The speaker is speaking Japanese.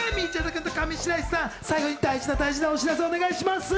君、上白石さん、最後に大事な大事なお知らせ、お願いします。